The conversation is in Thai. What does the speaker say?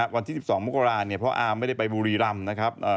วันที่๑๒มุกราณเพราะว่าอ้าวไม่ได้ไปบุรีรำนะครับ